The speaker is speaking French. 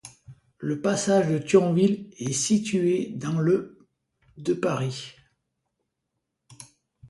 Le passage de Thionville est situé dans le de Paris.